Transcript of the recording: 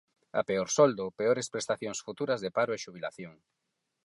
A peor soldo, peores prestacións futuras de paro e xubilación.